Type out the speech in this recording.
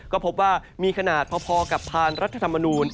ก็พบว่ามีขนาดพอกับพานรัฐธรรมนูล